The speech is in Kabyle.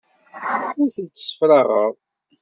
Ur tent-ssefraɣeɣ.